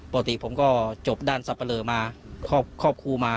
ปกติผมก็จบด้านสับปะเลอมาครอบครูมา